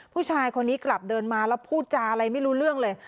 ผู้ชายคนนี้กลับเดินมาแล้วพูดจาอะไรไม่รู้เรื่องเลย